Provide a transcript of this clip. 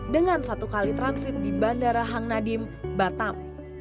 dengan satu kali transit di bandara hang nadiem batam